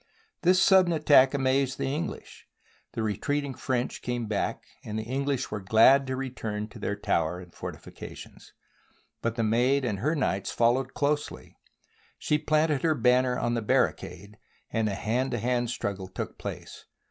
: This sudden attack amazed the English, the re treating French came back, and the English were glad to return to their tower and fortifications. But the Maid and her knights followed closely, she planted her banner on the barricade, and a hand to hand struggle took place.